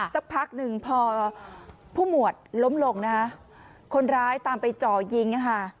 ค่ะสักพักหนึ่งพอผู้หมวดล้มลงนะคะคนร้ายตามไปเจาะยิงนะคะ